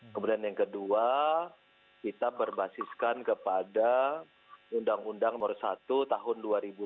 kemudian yang kedua kita berbasiskan kepada undang undang no satu tahun dua ribu sebelas